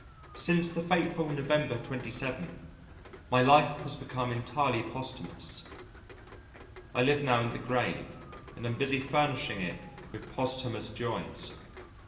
Since the fateful Nov. 27th, my life has become entirely posthumous. I live now in the grave and am busy furnishing it with posthumous joys.